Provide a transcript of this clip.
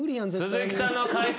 鈴木さんの解答